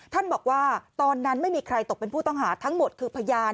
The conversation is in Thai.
บอกว่าตอนนั้นไม่มีใครตกเป็นผู้ต้องหาทั้งหมดคือพยาน